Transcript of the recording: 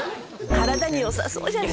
体によさそうじゃない？